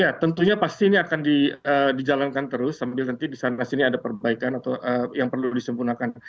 ya tentunya pasti ini akan dijalankan terus sambil nanti di sana sini ada perbaikan atau yang perlu disempurnakan